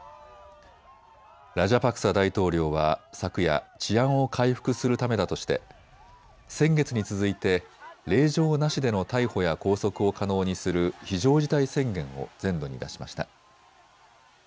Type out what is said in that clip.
ラジャパクサ大統領は昨夜、治安を回復するためだとして先月に続いて令状なしでの逮捕や拘束を可能にする非常事態宣言を全土に出しました。